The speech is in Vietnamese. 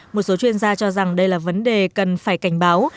một số chuyên gia cho rằng đây là vấn đề cần phải cảnh báo